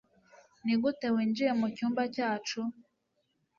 Nigute winjiye mucyumba cyacu?